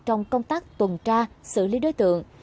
trong công tác tuần tra xử lý đối tượng